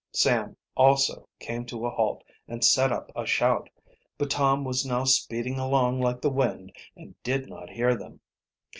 Sam also came to a halt and set up a shout. But Tom was now speeding along like the wind and did not hear them.